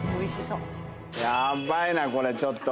ヤバいなこれちょっと。